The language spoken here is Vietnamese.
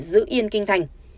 giữ yên kinh thành